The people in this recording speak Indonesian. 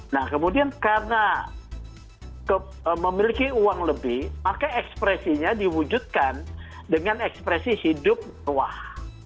nah kemudian karena memiliki uang lebih maka ekspresinya diwujudkan dengan ekspresi hidup mewah